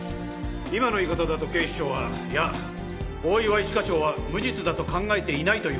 今の言い方だと警視庁はいや大岩一課長は無実だと考えていないという事ですか？